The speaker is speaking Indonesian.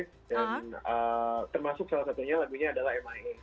dan termasuk salah satunya lagunya adalah m i a